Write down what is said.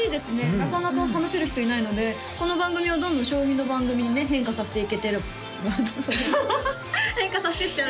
なかなか話せる人いないのでこの番組をどんどん将棋の番組にね変化させていけてる変化させてっちゃう？